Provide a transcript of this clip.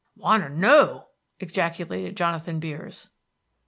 "Wanter know!" ejaculated Jonathan Beers.